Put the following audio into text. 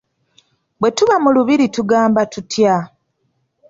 Bwe tuba mu lubiri tugamba tutya?